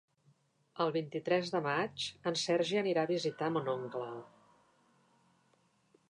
El vint-i-tres de maig en Sergi anirà a visitar mon oncle.